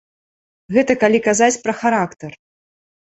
Гэта калі казаць пра характар.